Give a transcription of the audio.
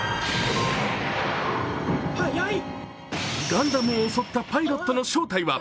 ガンダムを襲ったパイロットの正体は。